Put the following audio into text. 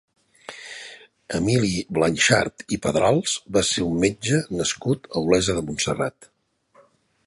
Emili Blanxart i Pedrals va ser un metge nascut a Olesa de Montserrat.